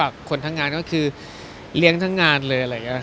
คนทั้งงานก็คือเลี้ยงทั้งงานเลยคือเขาจะน่ารัก